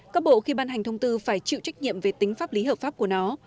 các bộ khi ban hành thông tư phải chịu trách nhiệm về tính pháp lý hợp pháp của nó